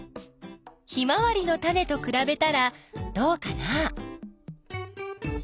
ヒマワリのタネとくらべたらどうかな？